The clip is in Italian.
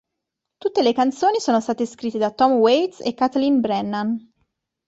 Tutte le canzoni sono state scritte da Tom Waits e Kathleen Brennan.